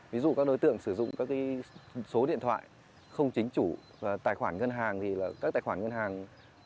ví dụ các đối tượng sử dụng các số điện thoại không chính chủ tài khoản ngân hàng thì là các tài khoản ngân hàng